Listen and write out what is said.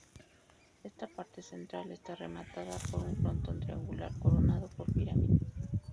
Esta parte central está rematada por un frontón triangular coronado por pirámides.